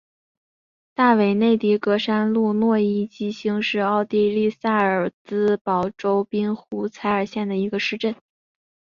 大韦内迪格山麓诺伊基兴是奥地利萨尔茨堡州滨湖采尔县的一个市镇。